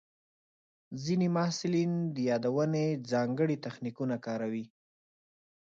ځینې محصلین د یادونې ځانګړي تخنیکونه کاروي.